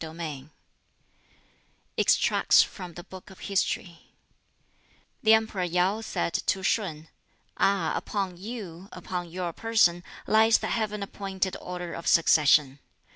BOOK XX Extracts from the Book of History The Emperor Yau said to Shun, "Ah, upon you, upon your person, lies the Heaven appointed order of succession!